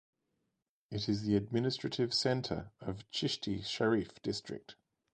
It is the administrative center of Chishti Sharif District.